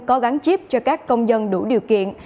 có gắn chip cho các công dân đủ điều kiện